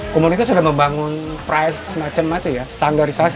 komunitas sudah membangun price macam itu ya standarisasi